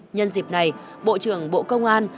nhân dịp này bộ trưởng bộ công an